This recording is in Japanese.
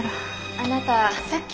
あなたさっきは。